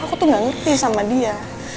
aku tuh gak ngerti sama dia